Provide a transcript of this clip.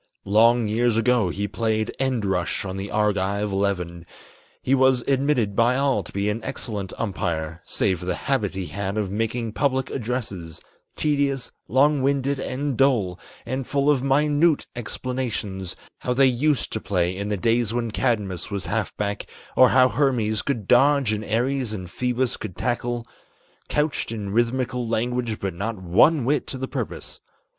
Long years ago he played end rush on the Argive eleven; He was admitted by all to be an excellent umpire Save for the habit he had of making public addresses, Tedious, long winded and dull, and full of minute explanations, How they used to play in the days when Cadmus was half back, Or how Hermes could dodge, and Ares and Phoebus could tackle; Couched in rhythmical language but not one whit to the purpose.